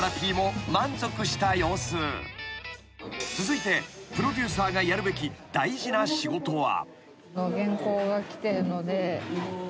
［続いてプロデューサーがやるべき大事な仕事は］